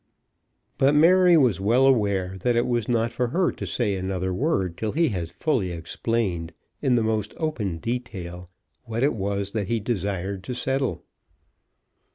But Mary was well aware that it was not for her to say another word till he had fully explained in most open detail what it was that he desired to settle.